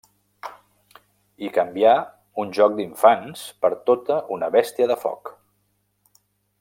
I canviar un joc d'infants per tota una bèstia de foc.